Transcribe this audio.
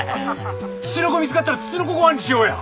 ツチノコ見つかったらツチノコご飯にしようや！